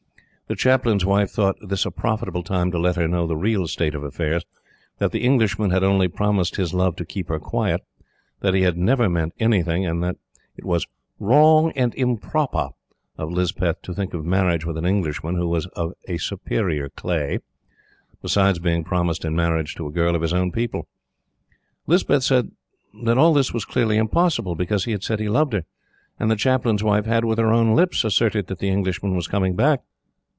The Chaplain's wife thought this a profitable time to let her know the real state of affairs that the Englishman had only promised his love to keep her quiet that he had never meant anything, and that it was "wrong and improper" of Lispeth to think of marriage with an Englishman, who was of a superior clay, besides being promised in marriage to a girl of his own people. Lispeth said that all this was clearly impossible, because he had said he loved her, and the Chaplain's wife had, with her own lips, asserted that the Englishman was coming back.